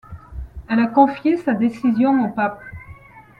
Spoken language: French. Elle a confié sa décision au pape.